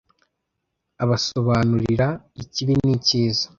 abasobanurira ikibi n'icyiza